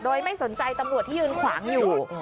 โดยไม่สนใจตำรวจที่ยืนขวางอยู่